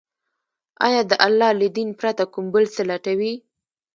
آيا د الله له دين پرته كوم بل څه لټوي،